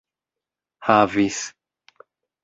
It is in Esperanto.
havis